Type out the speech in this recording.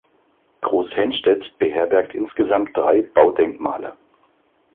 Groß Henstedt beherbergt insgesamt drei Baudenkmale.